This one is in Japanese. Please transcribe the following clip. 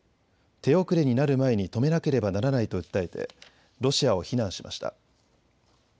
手遅れになる前に止めなければならないと訴えて、ロシアを非難しました。